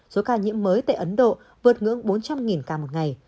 số ca nhiễm mới tại ấn độ vượt ngưỡng bốn trăm linh ca một ngày